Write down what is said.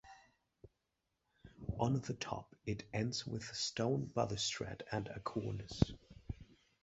On the top it ends with a stone balustrade and a cornice.